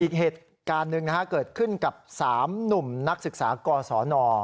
อีกเหตุการณ์หนึ่งเกิดขึ้นกับ๓หนุ่มนักศึกษากศน